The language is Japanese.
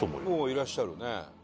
いらっしゃるね。